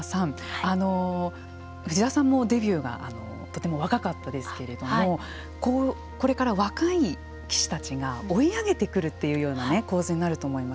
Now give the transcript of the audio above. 藤沢さんもデビューがとても若かったですけれどもこれから、若い棋士たちが追い上げてくるというような構図になると思います。